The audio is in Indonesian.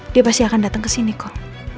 dia pasti akan datang kesini kong